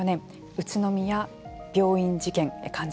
宇都宮病院事件患者